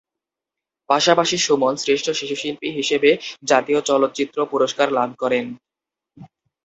পাশাপাশি সুমন শ্রেষ্ঠ শিশুশিল্পী হিসেবে জাতীয় চলচ্চিত্র পুরস্কার লাভ করেন।